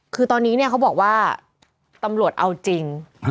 คือตอนนี้เนี่ยเขาบอกว่าตำรวจเอาจริง